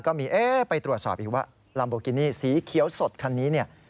ก็มีเอ๊ะไปตรวจสอบอีกว่าลัมโบกินี่สีเขียวสดคันนี้เนี่ย